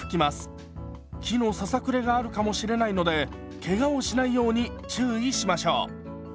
木のささくれがあるかもしれないのでけがをしないように注意しましょう。